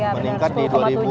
meningkat di dua ribu dua puluh